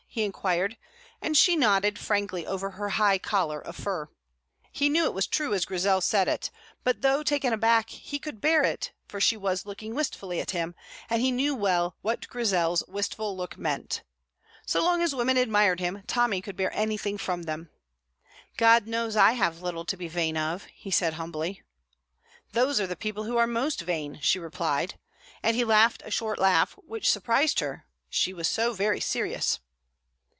he inquired, and she nodded frankly over her high collar of fur. He knew it was true as Grizel said it, but though taken aback, he could bear it, for she was looking wistfully at him, and he knew well what Grizel's wistful look meant; so long as women admired him Tommy could bear anything from them. "God knows I have little to be vain of," he said humbly. "Those are the people who are most vain," she replied; and he laughed a short laugh, which surprised her, she was so very serious.